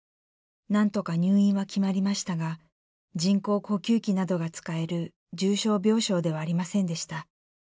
何とか入院は決まりましたが人工呼吸器などが使える重症病床ではありませんでした。